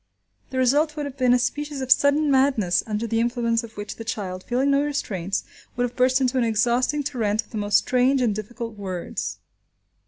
The result would have been a species of sudden madness, under the influence of which the child, feeling no restraints, would have burst into an exhausting torrent of the most strange and difficult words.